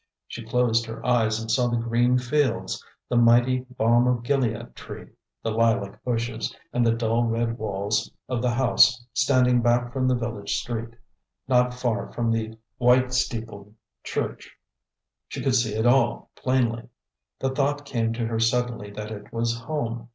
She closed her eyes and saw the green fields, the mighty balm of gilead tree, the lilac bushes, and the dull red walls of the house standing back from the village street, not far from the white steepled church. She could see it all, plainly. The thought came to her suddenly that it was home.